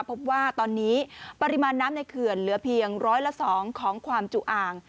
พบว่าตอนนี้ปริมาณน้ำในเขื่อนเหลือเพียงร้อยละ๒ของความจุอ่าง